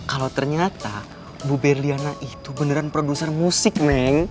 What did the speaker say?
kalo ternyata bu berliana itu beneran produser musik neng